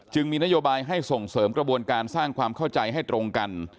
มีนโยบายให้ส่งเสริมกระบวนการสร้างความเข้าใจให้ตรงกัน